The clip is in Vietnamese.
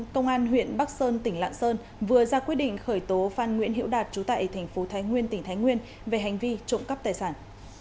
công an huyện bắc sơn tỉnh lạng sơn vừa ra quyết định khởi tố phan nguyễn hiễu đạt trú tại thành phố thái nguyên tỉnh thái nguyên về hành vi trộm cắp tài sản